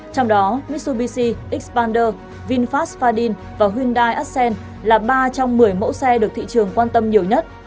trong đó mitsubishi ixander vinfast fadin và hyundai arsen là ba trong một mươi mẫu xe được thị trường quan tâm nhiều nhất